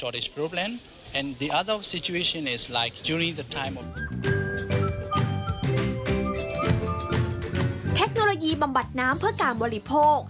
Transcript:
เทคโนโลยีบำบัดน้ำเพื่อการบริโภค